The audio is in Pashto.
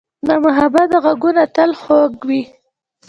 د محبت ږغونه تل خوږ وي.